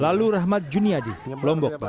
lalu rahmat juniadi lombok barat